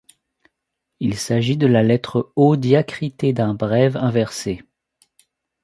Il s'agit de la lettre O diacritée d'un brève inversée.